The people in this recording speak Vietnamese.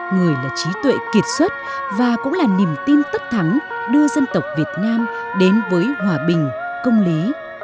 người là trí tuệ kiệt xuất và cũng là niềm tin tất thắng đưa dân tộc việt nam đến với hòa bình công lý